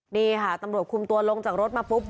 นี่ค่ะตำรวจคุมตัวลงจากรถมาปุ๊บ